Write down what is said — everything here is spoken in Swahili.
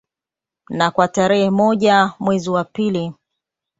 Na kwa tarehe moja mwezi wa pili